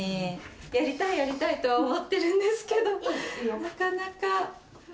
やりたい、やりたいと思ってるんですけれども、なかなか。